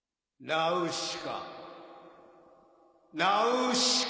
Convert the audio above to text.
ナウシカ！